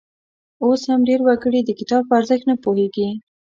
اوس هم ډېر وګړي د کتاب په ارزښت نه پوهیږي.